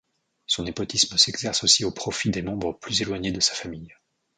Son népotisme s'exerce aussi au profit de membres plus éloignés de sa famille.